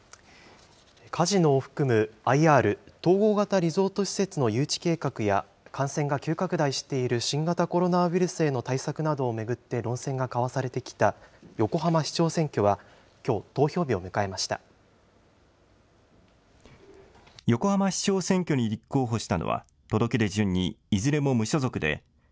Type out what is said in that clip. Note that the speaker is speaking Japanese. カジノを含むＩＲ・統合型リゾート施設の誘致計画や、感染が急拡大している新型コロナウイルスへの対策などを巡って論戦が交わされてきた横浜市長選挙は、きょう投票日を迎えました。